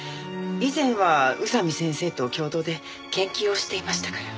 以前は宇佐美先生と共同で研究をしていましたから。